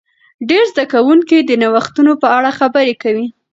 ډیر زده کوونکي د نوښتونو په اړه خبرې کوي.